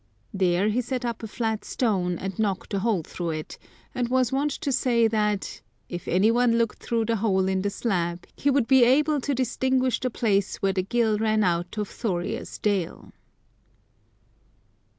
There he set up a flat stone, and knocked a hole through it, and was wont to say, that " if any one looked through the hole in the slab, he would be able to distinguish the place where the gill ran out of Thorir's dale."